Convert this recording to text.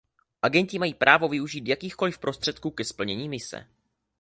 Agenti mají právo využít jakýchkoliv prostředků ke splnění mise.